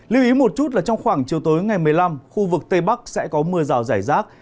lưu ý một chút là trong khoảng chiều tối ngày một mươi năm khu vực tây bắc sẽ có mưa rào rải rác